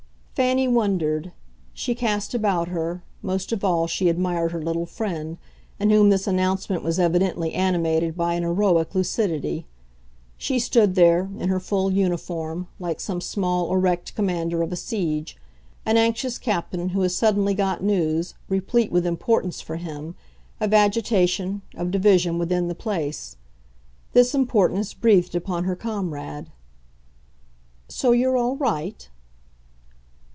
Fanny wondered; she cast about her; most of all she admired her little friend, in whom this announcement was evidently animated by an heroic lucidity. She stood there, in her full uniform, like some small erect commander of a siege, an anxious captain who has suddenly got news, replete with importance for him, of agitation, of division within the place. This importance breathed upon her comrade. "So you're all right?"